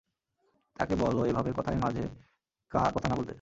তাকে বলো এভাবে কথায় মাঝে কথা না বলতে।